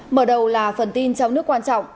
mở đầu là phần tin trong nước quan trọng